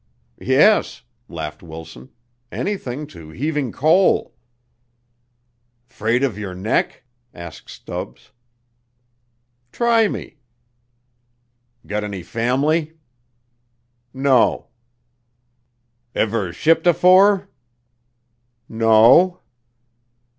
"Yes," laughed Wilson, "anything, to heaving coal." "'Fraid of your neck?" asked Stubbs. "Try me." "Gut any family?" "No." "Ever shipped afore?" "No."